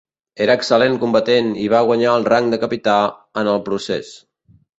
Era excel·lent combatent i va guanyar el rang de capità en el procés.